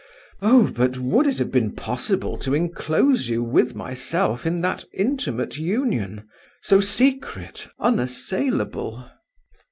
Oh, but would it have been possible to enclose you with myself in that intimate union? so secret, unassailable!"